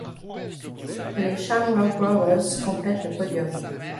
Les Shamrock Rovers complètent le podium.